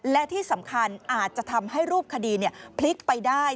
และที่สำคัญอาจจะทำให้รูปคดีพลิกไปได้